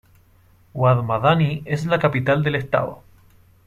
Wad Madani es la capital del estado.